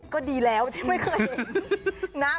ก็ดีแล้วไม่เคยเห็น